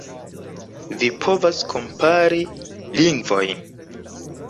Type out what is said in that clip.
Vi povas kompari lingvojn.